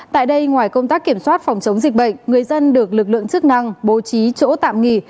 tại đây ngoài công tác kiểm soát phòng chống dịch bệnh người dân được lực lượng chức năng bố trí chỗ tạm nghỉ